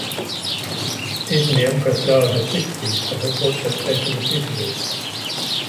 Even the Empress Dowager Cixi had her portrait taken repeatedly.